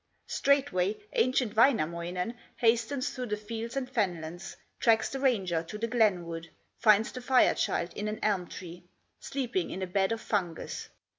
Straightway ancient Wainamoinen Hastens through the fields and fenlands, Tracks the ranger to the glen wood, Finds the Fire child in an elm tree, Sleeping in a bed of fungus.